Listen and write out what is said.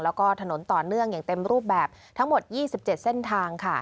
แล้วก็ถนนต่อเนื่องอย่างเต็มรูปแบบทั้งหมด๒๗เส้นทางค่ะ